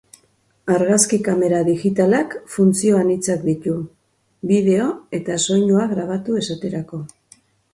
Argazki-kamera digitalak funtzio anitzak ditu, bideo eta soinua grabatu esaterako.